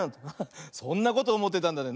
そんなことおもってたんだね。